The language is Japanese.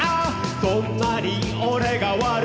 「そんなに俺が悪いのか」